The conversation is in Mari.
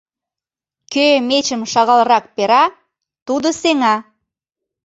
Кӧ мечым шагалрак пера, тудо сеҥа.